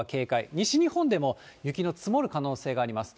西日本でも、雪の積もる可能性があります。